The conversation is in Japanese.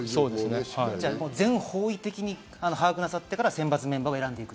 じゃあ全方位的に把握なさってから、選抜メンバーを選んでいく？